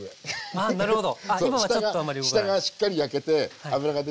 あなるほど。